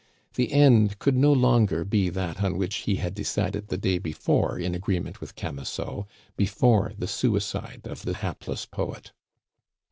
The end could no longer be that on which he had decided the day before in agreement with Camusot, before the suicide of the hapless poet.